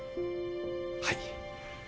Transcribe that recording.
はい。